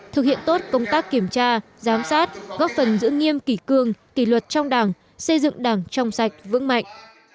thực hiện tốt công tác kiểm tra giám sát góp phần giữ nghiêm kỷ cương kỷ luật trong đảng xây dựng đảng trong sạch vững mạnh